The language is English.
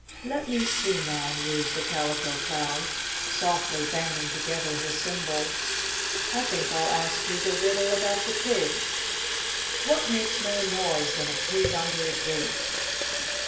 "Let me see, now," mused the Calico Clown, softly banging together his cymbals. "I think I'll ask you the riddle about the pig. What makes more noise than a pig under a gate?"